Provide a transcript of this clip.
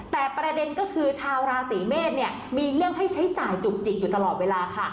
แต่ประเด็นก็คือชาวราศีเมษเนี่ยมีเรื่องให้ใช้จ่ายจุกจิกอยู่ตลอดเวลาค่ะ